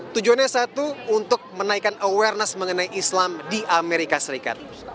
tujuannya satu untuk menaikkan awareness mengenai islam di amerika serikat